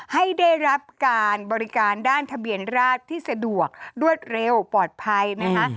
ให้ได้รับการบริการด้านทะเบียนราชที่สะดวกรวดเร็วปลอดภัยนะคะ